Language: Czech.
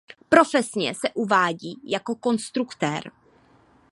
Profesně se uvádí jako konstruktér.